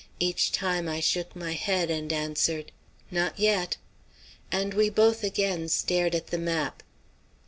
Each time I shook my head, and answered: "Not yet," and we both again stared at the map.